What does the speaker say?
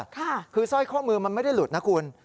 คือสร้อยข้อมือมันไม่ได้หลุดนะคุณ